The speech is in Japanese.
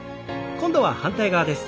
今度は反対側です。